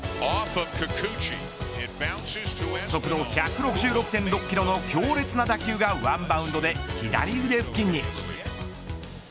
速度１６６．６キロの強烈な打球がワンバウンドで左腕付近に。